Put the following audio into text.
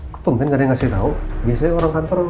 ketumpin gak dikasih tau biasanya orang kantor